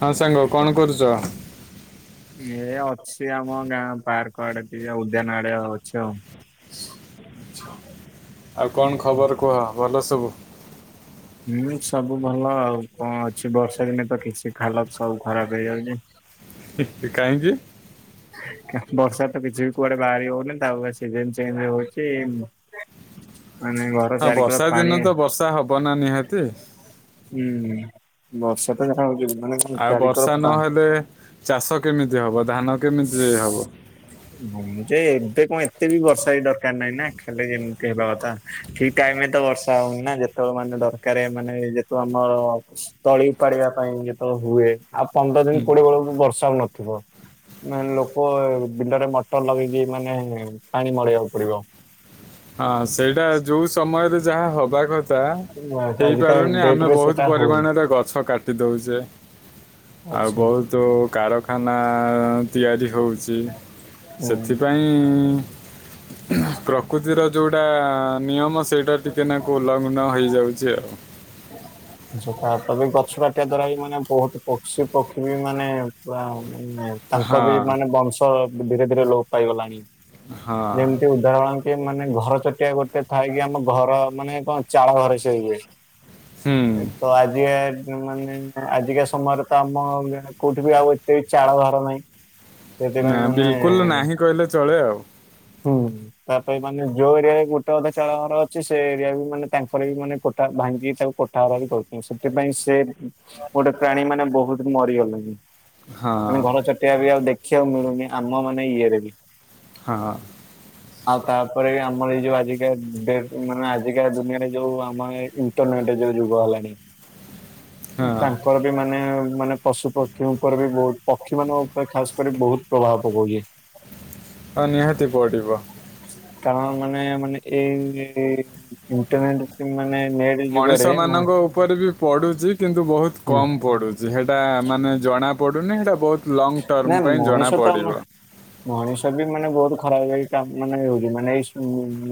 ହଁ ସାଙ୍ଗ କଣ କରୁଚ? ଏଇ ଅଛି ଆମ ଗାଁ ପାର୍କ ଆଡେ ଟିକେ ଉଦ୍ୟାନ ଆଡେ ଅଛି ଆଉ। ହ [unintelligible] ଆଛା ଆଉ କଣ ଖବର କୁହ ଭଲ ସବୁ? ହୁଁ ସବୁ ଭଲ ଆଉ କଣ ଅଛି ବର୍ଷା ଦିନେ ତ କିଛି ହାଲତ୍ ସବୁ ଖରାପ ହେଇଯାଉଚି। କାହିଁକି? ବର୍ଷା ତ କିଛି ବି କୁଆଡେ ବାହାରି ହଉନି ତାଉ ସିଜନ ଚେଞ୍ଜ ହଉଚି। ମାନେ ଘର ହଁ ଚାରିକର ବର୍ଷା ପାଣି ଦିନ ତ ବର୍ଷା ହବ ନା ନିହାତି ହୁଁ ବର୍ଷା ତ ଜାଣ ହଉଛି ମାନେ କଣ ଆଉ ଚାରିିକର ବର୍ଷା ପା ନହେଲେ ଚାଷ କେମିତି ହବ ଧାନ କେମିତି ହବ? ମୁଁ ଯେ ଏବେ କଣ ଏତେ ବି ବର୍ଷା ହେ ଦରକାର ନାହିଁ ନା ଖାଲି ଏମିତି ହେବା କଥା। ଠିକ ଟାଇମରେ ତ ବର୍ଷା ହଉନି ନା ଯେତେବେଳେ ମାନେ ଦରକାର ମାନେ ଯେତୁ ଆମ ତଳି ଓପାଡିବା ପାଇଁ ଯେତବେଳେ ହୁଏ ଆଉ ପନ୍ଦର ଦିନ କୋଡିଏ ବେଳ ବର୍ଷା ହଉ ନଥିବ ମାନେ ଲୋକ ବିଲରେ ମଟର ଲଗେଇକି ମାନେ ପାଣି ମଡେଇବାକୁ ପଡିବ। ହଁ ସେଇଟା ଯୋଉ ସମୟରେ ଯାହା ହ ହବା କଥା ଆଜିକା ହେଇପାରୁନି ଡେଟ ଆମେ ରେ ବହୁତ ସେଟା ହଉନି ପରିମାଣରେ ଗଛ କାଟି ଦଉଚେ। [unintelligible] ବହୁତ କାରଖାନା ତିଆରି ହଉଚି ହୁଁ। ସେଥିପାଇଁ ପ୍ରକୃତିର ଯଉଟା ନିୟମ ସେଇଟା ଟିକେ ନାକୁ ଉଲ୍ଲଘ୍ନ ହେଇଯାଉଚି ଆଉ। ହ [unintelligible] ଗଛ କାଟିବା ଦ୍ଵାରା ବି ମାନେ ବହୁତ ପକ୍ଷୀ ପକ୍ଷୀ ବି ମାନେ ପୁର ମେ [unintelligible] ତାଙ୍କର ବି ହଁ ମାନେ ବଂଶ ଧୀରେ ଧୀରେ ଲୋପ ପାଇଗଲାଣି। ହଁ ଯେମିତି ଧରଣ କି ମାନେ ଘର ଚଟିଆ ଗୋଟେ ଥାଏ କି ଆମ ଘର ମାନେ କଣ ଚାଳ ଘରେ ସେ ରୁହେ। ଏ ହୁଁ ତ ଆଜି ମାନେ ଆଜିକା ସମୟରେ ତ ଆମ କୋଉଠି ବି ଆଉ ଏତେ ଚାଳ ଘର ନାହିଁ। ନା ସେଥିପାଇଁ ମାନେ ବିଲକୁଲ ନାହିଁ କହିଲେ ଚଳେ ଆଉ। ହୁଁ ତାପାଇଁ ମାନେ ଯୋଉ ଏରିଆରେ ଗୋଟେ ଅଧା ଚାଳଘର ଅଛି ସେ ଏରିଆ ବି ମାନେ ତାଙ୍କର ବି ମାନେ କୋଟା ଭାଙ୍ଗିକି ତାକୁ କୋ ଠା ବାଡ଼ି ବି କରୁଛନ୍ତି ସେଥିପାଇଁ ସେ ସବୁ ପ୍ରାଣୀ ମାନେ ବହୁତ ମରିଗଲେଣି। ହଁ ମାନେ ଘର ଚଟିଆ ବି ଆଉ ଦେଖିବାକୁ ମିଳୁନି ଆମ ମାନେ ଇଏରେ ବି। ହଁ ହଁ ଆଉ ତାପରେ ବି ଆମର ଏଇ ଯୋଉ ଆଜିକା ଡେଟ ମାନେ ଆଜିକା ଦୁନିଆରେ ଯୋଉ ଆମ ଇଣ୍ଟେର୍ନେଟ ଯୋଉ ଯୁଗ ହେଲାଣି। ହଁ ତାଙ୍କର ବି ମାନେ ମାନେ ପଶୁ ପକ୍ଷୀ ଉପରେ ବି ବହୁତ ପକ୍ଷୀ ମାନଙ୍କ ଉପରେ ଖା ରେ ବହୁତ ପ୍ରଭାବ ପକାଉଛି। ହଁ ନିହାତି ପଡିବ। କାରଣ ମାନେ ମାନେ ଏଇ ଇଣ୍ଟରନେଟ ମାନେ ନେଟ ମଣିଷ ମାନଙ୍କ ଉପରେ ବି ପଡୁଛି କିନ୍ତୁ ବହୁତ କମ ପଡୁଛି। ଯେଟା ମାନେ ଜଣା ପଡୁନି ସେଟା ବହୁତ ଲଙ୍ଗ ନା ଟର୍ମ ପାଇଁ ମଣିଷ ଜଣା ତ ଆମ ପଡିବ। ମଣିଷ ବି ମାନେ ବହୁତ ଖରାପ ଏ ମାନେ ହଉଛି ମାନେ ଏଇ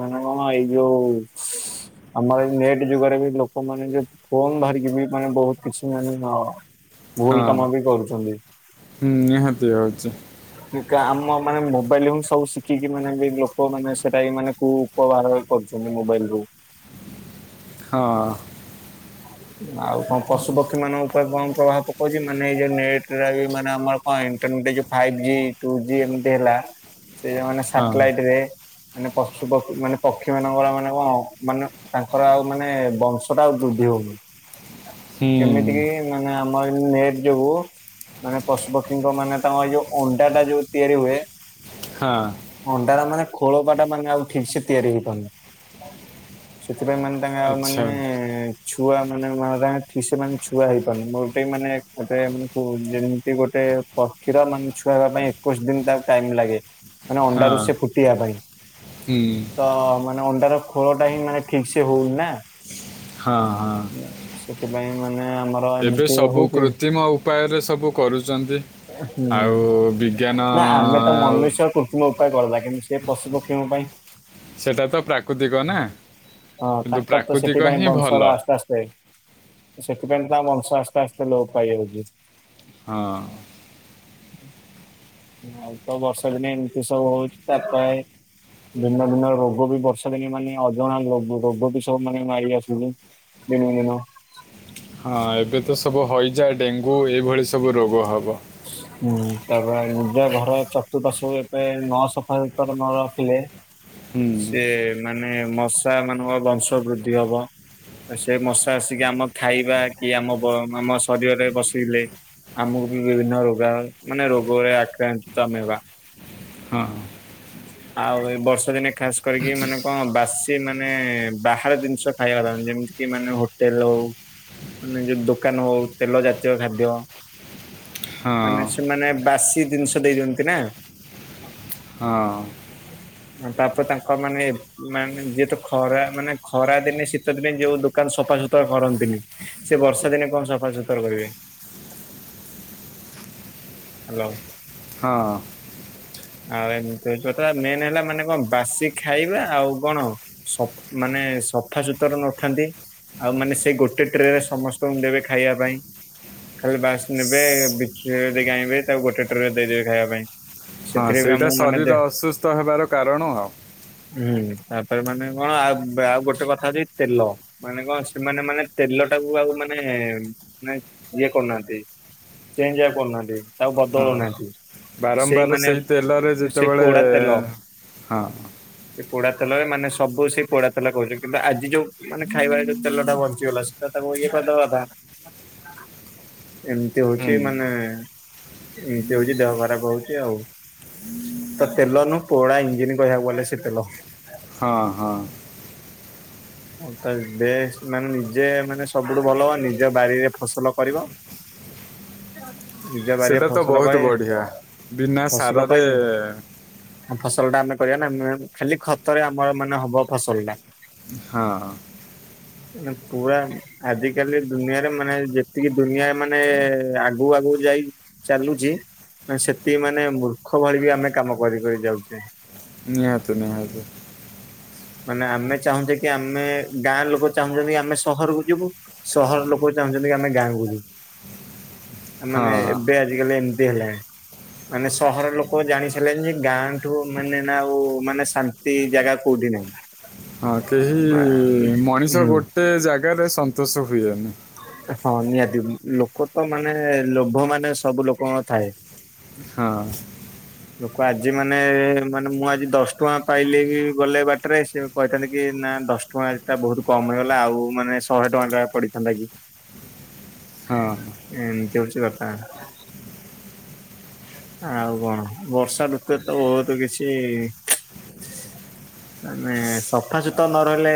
ମାନେ କଣ ଏଇ ଯୋଉ [unintelligible] ଆମର ନେଟ୍ ଯୁଗରେ ବି ଲୋକମାନୋନେ ଫୋନ ଧରିକି ବି ମାନେ ବହୁତ କିଛି ମାନେ ଭୁଲ ହଁ କାମ ବି କରୁଛନ୍ତି। ହୁଁ ନିହାତି ଅଛି। ଆମ ମାନେ ମୋବାଇଲ ହ ସବୁ ଶିଖିକି ମାନେ ଲୋକ ମାନେ ସେଟା ମାନେ କୁ ବାହାର କରୁଛନ୍ତି ମୋବାଇଲ ରୁ ହଁ। ଆଉ କଣ ପଶୁପକ୍ଷୀ ମାନଙ୍କ ଉପରେ କଣ ପ୍ରଭାବ ପ କହୁଛି ମେ ଏଇ ଯୋଉ ନଟ ମାନେ ଆମର କଣ ଇଣ୍ଟେର୍ନେଟ ଯୋଉ ଫାଇବେ ଜି ଟ୍ୱ ଜି ଏମତି ହେଲା। ସେ ଯଉ ମାନେ ହଁ ସାଟେଲାଇଟ ରେ। ମାନେ ପଶୁ ପକ୍ଷୀ ମାନେ ପକ୍ଷୀ ମାନଙ୍କର ମାନେ କଣ ମାନେ ତାଙ୍କର ଆଉ ମାନେ ବଂଶ ଟା ବୃଦ୍ଧି ହଉନି ହୁଁ କେମିତି କି ମାନେ ଆମର ନେଟ ଯୋଗୁ ମାନେ ପଶୁପକ୍ଷୀଙ୍କ ମାନେ ତାଙ୍କ ଏଇ ଯୋଉ ଅଣ୍ଡା ଟା ଯୋଉ ତିଆରି ହୁଏ। ହଁ। ଅଣ୍ଡାାର ମାନେ ଖୋଳପ ଟା ମାନେ ଆଉ ଠିକ ସେ ତିଆରି ହେଇପାରୁନି ସେଥିପାଇଁ ମାନେ [unintelligible] ଆଚ୍ଛା ମାନେ ଛୁଆ ମାନେଠ ସେ ମାନେ ଛୁଆ ହେଇପାରୁନି ମୋର ଗୋଟେ ମାନେ ଗୋଟେ ମାନେ ଯେମିତି ଗୋଟେ ପକ୍ଷୀ ର ମା ଛୁ କରିବା ପାଇଁ ଏକୋଇଶି ଦିନ ତା ଟାଇମ ଲାଗେ ମାନେ ହଁ ଅଣ୍ଡାରୁ ସେ ଫୁଟବା ପାଇଁ ହୁଁ ତ ମାନେ ଅଣ୍ଡାର ଖୋଳଟା ହିଁ ମାନେ ଠିକ ସେ ହଉନି ନା। ହଁ ହଁ। [inaudible] ସେଥିପାଇଁ ମାନେ ଆମର ଏବେ ଏମିତି ସବୁ ହଉଛି। କୃତ୍ରିମ ଉପାୟରେ ସବୁ କରୁଛନ୍ତି। ହୁଁ ଆଉ ନା ଆମେ ତ ବିଜ୍ଞାନ ମନୁଷ୍ୟକୁ ଉପାୟ କଲା କିନ୍ତୁ ସେ ପଶୁ ପକ୍ଷୀଙ୍କ ପାଇଁ ସେଇଟା ତ ପ୍ରାକୃତିକ ନା କିନ୍ତୁ ପ୍ରାକୃତିକ ହିଁ ଭଲ। ସେଥିିତା ମାଂସ ଆସଥାେ ଲୋଉପଉଜୀ ହଁ। ଆଉ ତ ବର୍ଷା ଦିନ ଏମିତି ସବୁ ହଉଛି ତାପ ଭିନ୍ନ ଭିନ୍ନ ରୋଗ ବି ବର୍ଷା ଦିନେ ମାନେ ଅଜଣା ଲୋଗ- ରୋଗ ବି ସବ ମାନେ ମାରି ଆସୁଛନ୍ତି। ଯେମିତି ମୁଁ ହଁ ଏବେ ତ ସବୁ ହଇଜା ଡେଙ୍ଗୁ ଏଇଭଳି ସବୁ ରୋଗ ହବ। ଉଁ, ତାପରେ ଆଣି ଉଦା ଘର ଚତୁପାର୍ଶ ରେ ପ୍ରାୟ ନ ସଫା ସୁତୁରା ନ ରଖିଲେ ହୁଁ, ସେ ମାନେ ମଶା ମାନଙ୍କ ବଂଶ ବୃଦ୍ଧି ହବ। ସେ ମଶା ଆସିକି ଆମ ଖାଇବା କି ଆମ ବ-ଆମ ଶରୀରରେ ବସେଇଲେ ଆମକୁ ବିଭିନ୍ନ ରୋଗ ଆ-ମାନେ ରୋଗରେ ଆକ୍ରାନ୍ତ ଆମେ ହବା। ହଁ, ହଁ। ଆଉ ଏ ବର୍ଷା ଦିନେ ଖାସ କରିକି ମାନେ କଣ ବାସ୍ ସେ ମାନେ ବାହହାର ଜିନିଷ ଖାଇବା ପାରନ୍ତିନି ଯେମିତି କି ମାନେ ହୋଟେଲ୍ ହଉ। ମାନେ ଯୋଉ ଦୋକାନ ହଉ ତେଲ ଜାତୀୟ ଖାଦ୍ୟ ହଁ ମାନେ ସେମାନେ ବାସି ଜିନିଷ ଦେଇଦିଅନ୍ତି ନା। ହଁ। ତାପରେ ତାଙ୍କ ମାନେ ମାନେ ଯିଏ ତ ଖରା ମାନେ ଖରା ଦିନେ ଶୀତ ଦିନେ ଯୋଉ ଦୋକାନ ସଫା ସୁୁତୁରା କରନ୍ତିନି। ସେ ବର୍ଷା ଦିନେ କଣ ସଫା ସୁତୁରା କରିବେ। ହାଲୋ। ହଁ। ଆଉ ଏମିତି କଥା, ମେନ୍ ହେଲା ମାନେ କଣ ବାସି ଖାଇବା, ଆଉ କଣ? ସ-ମାନେ ସଫା ସୁୁତର ନଥାନ୍ତି। ଆଉ ମାନେ ସେ ଗୋଟେ ଟ୍ରେ ରେ ସମସ୍ତଙ୍କୁ ଦେବେ ଖାଇବା ପାଇଁ। ଖାଲି ବାସ୍ ନେବ ବେ ବିଛୁଳି ଦେଇକି ଆଣିବେ ତାକୁ ଗୋଟେ ଟ୍ରେ ରେ ଦେଇଦେବେ ଖାଇବା ପାଇଁ। ହଁ ସେଥିରେ ବି ସେଇଟା ଆମକୁ ମାନେ ଦେ ଶରୀର ଅସୁସ୍ଥ ହେବାର କାରଣ ଆଉ। ହୁଁ, ତାପରେ ମାନେ କଣ ଆଉ ଆଉ ଗୋଟେ କଥା ହଉଛି ତେଲ। ମାନେ କଣ ସେମାନେ ମାନେ ତେଲ ଟାକୁ ଆଉ ମାନେ ମାନେ ଇଏ କରୁନାହାନ୍ତି। ଚେଞ୍ଜ ଆଉ କରୁନାହାନ୍ତି, ତାକୁ ବଦଳୁ ହଁ ନାହାନ୍ତି। ସେଇ ବାରମ୍ବାର ମାନେ ତେଲରେ ସେ ଯେତେବେଳେ ପୋଡା ତେଲ। ହଁ ସେ ପୋଡାତେଲ ମାନେ ସବୁ ସେ ପୋଡାତେଲ କହୁଛି, କିନ୍ତୁ ଆଜି ଯୋଉ ମାନେ ଖାଇବା ଯୋଉ ତେଲଟା ବଞ୍ଚିଗଲା ସେଟା ତାକୁ ଇଏ କରିଦବା କଥା। ଏମିତି ହଉଛି, ହୁଁ, ମାନେ ଏମିତି ହଉଛି ଦେହ ଖରାପ ହଉଛି ଆଉ। ତ ତେଲ ନୁ ପୋଡା ଇଞ୍ଜିିନ୍ କହିବାକୁ ଗଲେ ସେ ତେଲ। ହଁ, ହଁ। ହଁ ତାବି ବେସ୍ ମାନେ ନିଜେ ମାନେ ସବୁଠୁ ଭଲ ନିଜ ବାରିରେ ଫସଲ କରିବ। ନିଜ ବାରିରେ ସେଟା ତ ଫସଲ ବହୁତ କାଇଁ? ବଢ଼ିଆ ବିନା ଫସଲ ସାରରେ [unintelligible] ହଁ ଫସଲ ଟା ଆମେ କରିବା ନା, ମେ- ଖାଲି ଖତରେ ଆମର ମାନେ ହବ ଫସଲ ଟା। ହଁ। ନା ପୁରା ଆଜିକାଲି ଦୁନିଆରେ ମାନେ ଯେତିକି ଦୁନିଆ ମାନେ ଆଗୁକୁ ଆଗୁକୁ ଯାଇ ଚାଲୁଛି। ଅଁ, ସେତିକି ମାନେ ମୂର୍ଖ ଭଳି ବି ଆମେ କାମ କରି କରି ଯାଉଛେ। ନିହାତି ନିହାତି। ମାନେ ଆମେ ଚାହୁଁଚେ କି ଆମେ, ଗାଁ ଲୋକ ଚାହୁଁଛନ୍ତି ଆମେ ସହରକୁ ଯିବୁ। ସହର ଲୋକ ଚାହୁଁଚନ୍ତି ଆମେ ଗାଁ କୁ କୁ ଆ, ମାନେ ହଁ ଏବେ ଆଜିିକାଲି ଏମିତି ହେଲାଣି। ମାନେ ସହର ଲୋକ ଜାଣି ସାରିଲେଣି ଯେ ଗାଁଠୁ ମାନେ ନା ଆଉ ମାନେ ଶାନ୍ତି ଜାଗା କୋଉଠି ନାହିଁ। ହଁ ମା କେହି ମଣିଷ ହୁଁ ଗୋଟେ ଜାଗାରେ ସନ୍ତୋଷ ହୁଏନି। ହଁ ନିହାତି ଲୋକ ତ ମାନେ ଲୋଭ ମାନେ ସବୁ ଲୋକଙ୍କ ଥାଏ। ହଁ। ଲୋକ ଆଜି ମାନେ ମାନେ ମୁଁ ଆଜି ଦଶ ଟଙ୍କା ପାଇଲି ବି ଗଲେ ବାଟରେ ସେ କହିଥାନ୍ତି କି ନା ଦଶ ଟଙ୍କା ଏଟା ବହୁତ କମ ହେଇଗଲା ଆଉ ମାନେ ଶହେ ଟଙ୍କା ଟା ପଡି ହେଲାକି ହଁ ଏମତି ହଉଛି କଥା ଆଉ କଣ ବର୍ଷାଋତୁ ରେ ତ ବହୁତ କିଛି ମାନେ ସଫା ସୁୁତୁରା ନ ରହିଲେ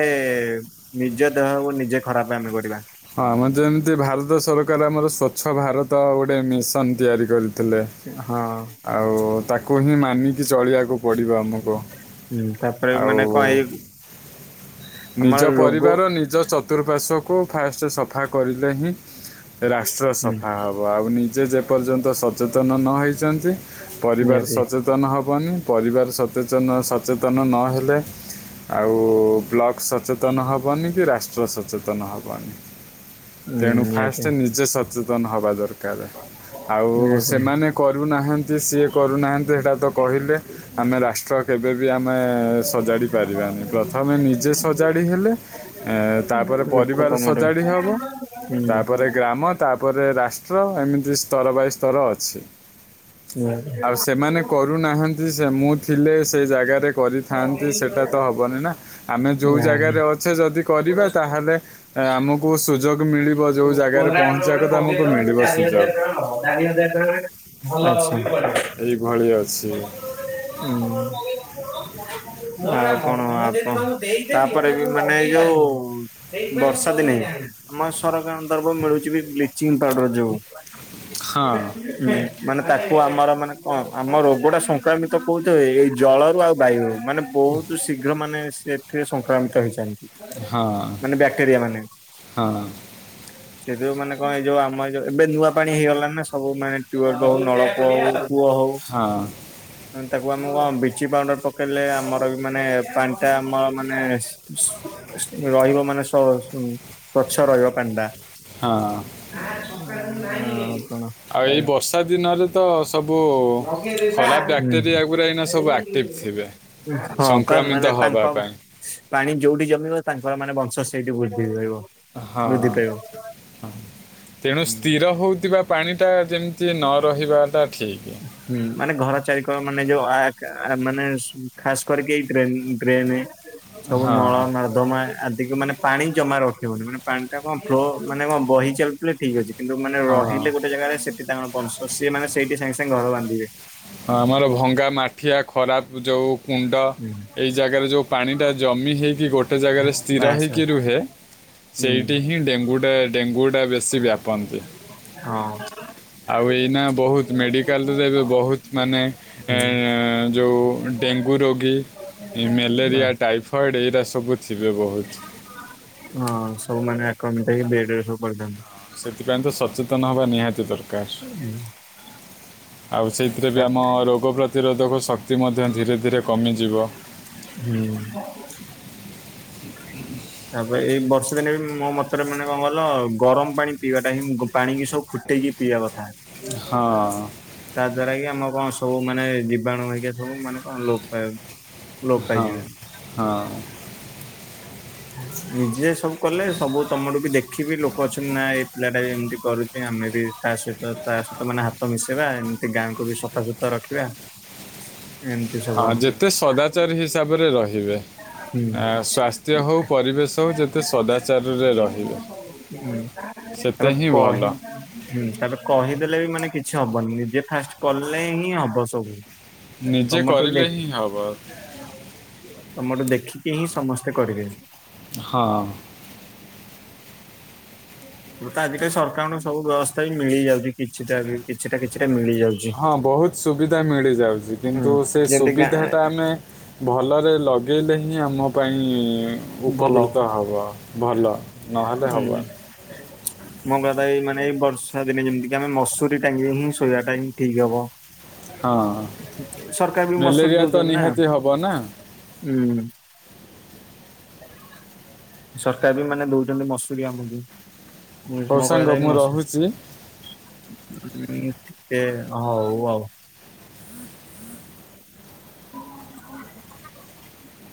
ନିଜ ଦେହକୁ ନିଜେ ଖରାପ ଆମେ କରିବା। ହଁ ଆମର ଯେମିତି ଭାରତ ସରକାର ଆମର ସ୍ୱର୍ଚ୍ଛଭାରତ ଗୋଟେ ମିଶନ ତିଆରି କରି ଥିଲେ ହଁ ଆଉ ତାକୁ ହିଁ ମାନିକି ଚଳିବାକୁ ପଡ଼ିବ ଆମକୁ। ତାପରେ ମାନେ କଣ ଆଉ ଏଇ ଆମର ନିଜ ରୋଗ ପରିବାର ନିଜ ଚତୁଃପାର୍ଶ୍ଵକୁ ଫାଷ୍ଟ ସଫା କରିଲେ ହିଁ ରାଷ୍ଟ୍ର ହୁଁ ସଫା ହବ ଆଉ ନିଜେ ଯେ ପର୍ଯ୍ୟନ୍ତ ସଚେତନ ନ ହେଇଛନ୍ତି ପରିବାର ନିହାତି ସଚେତନ ସ ହେବନି ପରିବାର ସଚେତନ ନ ହେଲେ ଆଉ୍ ବ୍ଲ ସଚେତନ ହବନି କି ରାଷ୍ଟ୍ର ସଚେତନ ହବନି। ହୁଁ ତେଣୁ ନିହାତି। ଫାଷ୍ଟ ନିଜେ ସଚେତନ ହବା ଦରକାର। ଆଉ ନିହାତି ସେମାନେ କରୁନାହାନ୍ତି, ସିଏ କରୁନାହାନ୍ତି ଏଟା ତ କହିଲେ ଆମେ ରାଷ୍ଟ୍ର କେବେ ବି ଆମେ ସଜାଡି ପାରିବାନି, ପ୍ରଥମେ ନିଜେ ସଜାଡି ହେଲେ ତାପରେ ଲୋକ ପରିବାର ତମଠୁ ସଜାଡି ହବ ହୁଁ ନିହାତି ତାପରେ ଗ୍ରାମ। ତାପରେ ରାଷ୍ଟ୍ର ଏମିତି ସ୍ତର ବାଇ ସ୍ତର ଅଛି, ଆଉ ସେମାନେ କରୁନାହାନ୍ତି ସେ ମୁଁ ଥିଲେ ସେ ଜାଗାରେ କରିଥାନ୍ତି। ସେଇଟା ତ ହବନି ନା ଆମେ ଯୋଉ ଯାହାହେଲେ। ଜାଗାରେ ଅଛେ ଯଦି କରିବା ତାହେଲେ ଆମ କୁ ସୁଯୋଗ ମିଳିବ, ଯୋଉ ଜାଗାରେ କୋରାଟ ପହଞ୍ଚିବା ରେ କଥା ଗୋଟେ ଆମକୁ ଲଗେଇଦବ ସେ ମିଳିବ ସୁଯୋଗ। ଚାରି ହଜାର ଟଙ୍କା ଭଲ ଟପ ବି ପଡେ। ଏଇ ଘଳି ଅଛି। ହୁଁ [unintelligible] ଆ କଣ ଆପଣ ତାପରେ ବି ମାନେ ଏଇ ଯୋଉ ବର୍ଷା ଦିନେ ଆମ ସରକାର ଦରବ ମିଳୁଛି ବି ବ୍ଲିଚିଂ ପାଉଡର ଯୋଉ ହଁ [unintelligible] ମାନେ ତାକୁ ଆମର ମାନେ କଣ ଆମ ର। ଗୋଟେ ସଂକ୍ରାମିତ କହୁଛ, ଏଇ ଜଳରୁ ବାୟୁ ମାନେ ବହୁତ ଶୀଘ୍ର ଯୋଉ ମାନେ ସେଥିରେ ସଂକ୍ରମିତ ହେଇଛନ୍ତି, ହଁ ମାନେ ବ୍ୟାକ୍ଟେରିଆ ମାନେ ହ ହଁ [unintelligible] ସେଯୋଉ ମାନେ କଣ ଏଇ ଯୋଉ ଆମ ଯୋଉ ଏବେ ନୂଆ ପାଣି ହେଇଗଲା ନା ସବୁ ମାନେ ହଉ ନଳକୂଅ ହଉ। କୂଅ ହଉ। ହଁ। ତାକୁ ଆମେ ଉଁ ବିଚି ପାଉଡର ପକେଇଲେ ଆମର ବି ମାନେ ପାଣି ଟା ଆମର ମାନେ [unintelligible] ରହିବ ମାନେ ସ୍ଵଚ୍ଛ ରହିବ ପାଣି ଟା। ହଁ। ହଁ [unintelligible] ଆଉ ଏଇ ବର୍ଷା ଦିନରେ ତ ସବୁ ହୁଁ ଖରାପ ବ୍ୟାକ୍ଟେରିଆ ଗୁରା ଏଇନା ସବୁ ଆକ୍ଟିଭ [unintelligible] ଥିବେ ହଁ ପା ସଂକ୍ରମିତ ମାନେ ତାଙ୍କ ହବା ପାଇଁ। ପାଣି ଯୋଉଠି ଜମିବ ତାଙ୍କର ମାନେ ବଂଶ ସେଇଠି ବୃଦ୍ଧି ହୋଇବ। ହଁ ତେଣୁ ସ୍ଥିର ହଉଥିବା ପାଣି ଟା ଯେମିତି ନ ରହିବାଟା ଠିକ୍। ମାନେ ଘର ଚାରିକର ମାନେ ଯୋଉ ଆ ଆ ଖାସ କରିକି ଏଇ ଡ୍ରେନି ଡ୍ରେନ। ସବୁ ନଳ ହଁ ନା ଦମା ଆଦିକି ମାନେ ପାଣି ଜମା ରଖିବନି। ମାନେ ପାଣିଟା କଣ ଫ୍ଲୋ ମାନେ କଣ ବହି ଚାଲୁ ଥିଲେ ଠିକ୍ ଅଛି। କିନ୍ତୁ ମାନେ ହଁ ରହିଲେ ଗୋଟେ ଜାଗାରେ ସେଠି ତାଙ୍କର ବଂଶ। ସିଏ ମାନେ ସେଇଠି ସାଙ୍ଗେ ସାଙ୍ଗେ ଘର ବାନ୍ଧିବେ। ହଁ ଆମର ଭଙ୍ଗା ମାଠିଆ ଖରାପ ଯୋଉ କୁଣ୍ଡ ହୁଁ ଏଇ ଜାଗାରେ ଯଉ ପାଣିଟା ଜମି ହେଇକି ଗୋଟେ ଜାଗାରେ ସ୍ଥିର ବାସ୍ ହେଇକି ରୁହେ ହୁଁ ସେଇଠି ହିଁ ଡେଙ୍ଗୁ ଟା ଡେଙ୍ଗୁ ଟା ବ ସି ବ୍ୟାପନ୍ତି ହଁ ଆଉ ଏଇନା ବହୁତ ମେଡିକାଲ ରେ ଏବେ ବହୁତ ମାନେ ହୁଁ। ଏଁ ଏଁ ଯୋଉ ଡେଙ୍ଗୁ ରୋଗୀ ମ୍ୟାଲେରିଆ ଟାଇଫଏଡ଼୍ ଏଇରା ସବୁ ଥିବେ ବହୁତ। ହଁ ସବୁମାନେ ଆକ୍ରମିତ ହେଇ। ବେଡ୍‌ ରେ ପଡିଥାନ୍ତି। ସେଥିପାଇଁ ତ ସଚେତନ ହବା ନିହାତି ଦରକାର। ଆଉ ସେଇଥିରେ ବି ଆମ ରୋଗ ପ୍ରତିରୋଧକ ଶକ୍ତି ମଧ୍ୟ ଧୀରେ ଧୀରେ କମିଯିବ। ହୁଁ। ହ [unintelligible] ତାପରେ ଏଇ ବର୍ଷ ଦିନେ ବି ମୋ ମତରେ ମାନେ କଣ କଲ ଗରମ ପାଣି ପିଇବା ଟା ହିଁ ପାଣି କିି ସବୁ ଫୁଟେଇକି ପିଇବା କଥା। ହଁ। ତା ଦ୍ଵାରା କି ଆମର କଣ ସବୁ ମାନେ ଜୀବାଣୁ ହେରିକା ସବୁ ମାନେ କଣ ଲୋପ ପାଇବ ହଁ ହଁ। ନିଜେ ସବୁ କଲେ ସବୁ ତମଠୁ ବି ଦେଖିବି ଲୋକ ଅଛନ୍ତି ନା ଏଇ ପିଲା ଟା ବି ଏମିତି କରୁ ଆମେ ବି ତା ସହିତ ତା ସହିତ ମାନେ ହାତ ମିଶେଇବା ଏମିତି ଗାଁକୁ ବି ସଫା ସୁତର ରଖିବା। ହୁଁ। ହଁ ଯେତେ ସଦାଚାରୀ ହିସାବରେ ରହିବେ ହୁଁ ଆ ସ୍ୱାସ୍ଥ୍ୟ ହଉ ପରିବେଶ ହଉ ଯେତେ ସଦାଚାରରେ ରହିବେ। ହୁଁ। ସେତେ ତାପରେ ହିଁ କହି ଭଲ। ହୁଁ ତାପରେ କହିଦେଲେ ବି ମାନେ କିଛି ହବନି ନିଜେ ଫାଷ୍ଟ କଲେ ହିଁ ହବ ସବୁ। ନିଜେ ତମଠୁ କରିଲେ ଦେଖ ହିଁ ହବ ତମଠୁ ଦେଖିକି ହିଁ ସ ସମସ୍ତେ କରିବେ। ହଁ। ତ ଆଜିକାଲି ସରକାରଙ୍କ ସବୁ ବ୍ୟବସ୍ଥା ବି ମିଳିଯାଉଛି କିଛିଟା ବି କିଛିଟା କିଛିଟା ମିଳିଯାଉ ହଁ ବହୁତ ସୁବିଧା ମିଳିଯାଉଛି ହୁଁ କିନ୍ତୁ ସେ ଯେମିତି ଗାଁ ସୁବିଧାଟା ଆମେ ଭଲରେ ଲଗେଇଲେ ହିଁ ଆମ ପାଇଁ ଭଲ ଉପକୃତ ହବ ଭଲ ନହେଲେ ହବ ହୁଁ ମଙ୍ଗଦାଇ ମାନେଇ ବର୍ଷା ଦିନେ ଯେମିତି କିି ଆମେ ମସୁରୀ ଟାଙ୍କ ହିଁ ଶୋଇବା ଟା ହିଁ ଠିକ୍ ହବ। ହଁ ସରକାର ବି ମସୁରୀ ମ୍ୟାଲେରିଆ ତ ଦଉଛନ୍ତି ନା। ନିହାତି ହବ ନା ହୁଁ। ସରକାର ବି ମାନେ ଦଉଛନ୍ତି ମସୁୁରୀ ଆମକୁ। ମୋ ହଉ କହିବା ସାଙ୍ଗ କଥା ମୁଁ କି ମସୁ ରହୁଛି ଉଁ ଟିକେ ହଉ ଆଉ। ହ